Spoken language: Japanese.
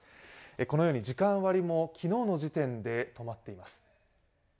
このように時間割りも昨日の時点で止まっています。